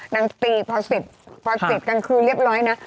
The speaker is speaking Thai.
นางตีพอเสร็จกันคือเรียบร้อยนะ